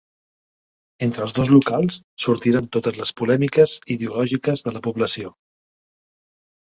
Entre els dos locals sortiren totes les polèmiques ideològiques de la població.